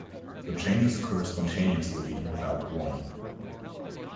The changes occur spontaneously and without warning.